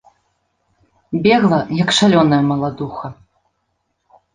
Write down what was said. Бегла, як шалёная, маладуха.